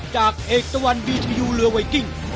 จากเอกตะวันบีชยูเรือไวกิ้ง